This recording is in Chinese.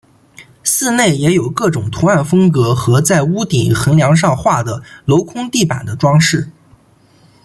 寺内也有各种图案风格和在屋顶横梁上画的镂空地板的装饰。